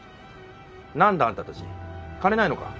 なんだあんたたち金ないのか？